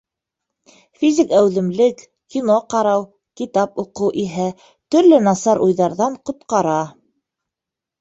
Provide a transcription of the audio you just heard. Физик әүҙемлек, кино ҡарау, китап уҡыу иһә төрлө насар уйҙарҙан ҡотҡара.